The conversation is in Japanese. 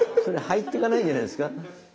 それ入ってかないんじゃないですか？